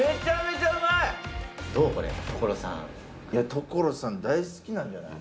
所さん大好きなんじゃない？